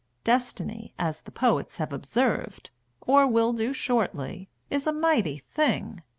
Destiny, as the poets have observed (Or will do shortly) is a mighty thing.